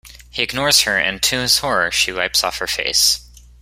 He ignores her and, to his horror, she wipes off her face.